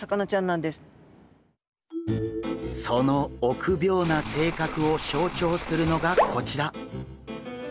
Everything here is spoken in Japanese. その臆病な性格を象徴するのがこちら。